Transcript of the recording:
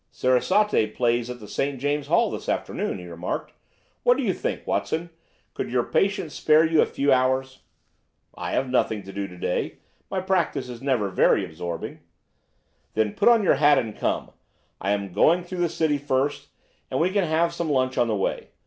"Sarasate plays at the St. James's Hall this afternoon," he remarked. "What do you think, Watson? Could your patients spare you for a few hours?" "I have nothing to do to day. My practice is never very absorbing." "Then put on your hat and come. I am going through the City first, and we can have some lunch on the way.